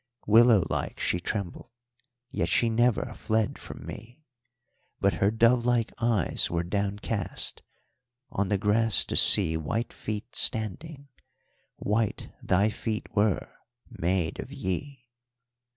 Willow like she trembled, yet she Never fled from me; But her dove like eyes were downcast, On the grass to see White feet standing: white thy feet were, Maid of Yí.